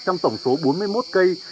trong tổng số bốn mươi một cây